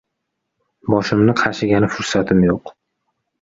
Boshim- ni qashigani fursatim yo‘q...